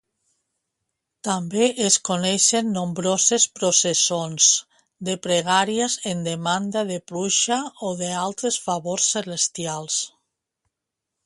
També es coneixen nombroses processons de pregàries en demanda de pluja o d'altres favors celestials.